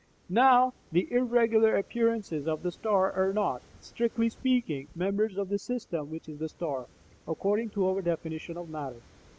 Now, the irregular appearances of the star are not, strictly speaking, members of the system which is the star, according to our definition of matter.